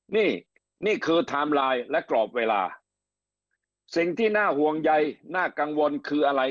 นี่นี่คือไทม์ไลน์และกรอบเวลาสิ่งที่น่าห่วงใยน่ากังวลคืออะไร